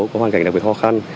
có hoàn cảnh đặc biệt khó khăn